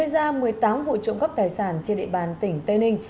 gây ra một mươi tám vụ trộm góp tài sản trên địa bàn tỉnh tây ninh